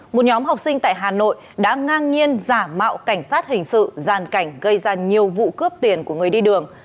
một nhóm học sinh tại hà nội đã ngang nhiên giả mạo cảnh sát hình sự giàn cảnh gây ra nhiều vụ cướp tiền của người đi đường